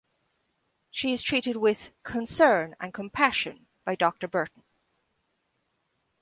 She is treated with "concern and compassion" by Doctor Burton.